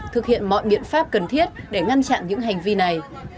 thực hiện mọi biện pháp cần thiết để ngăn chặn những hành vi này